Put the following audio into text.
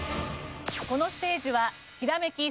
このステージはひらめき！